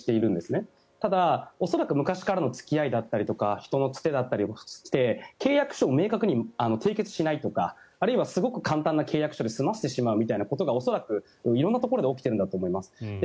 ところが、恐らく昔からの付き合いであったりとか人のつてだったりして契約書を明確に締結しないとかあるいはすごい簡単な契約書で済ませてしまうことが恐らく色んなところで起きているんだと思います。